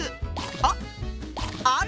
あっあれ